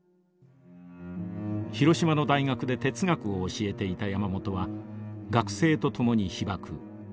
広島の大学で哲学を教えていた山本は学生と共に被爆。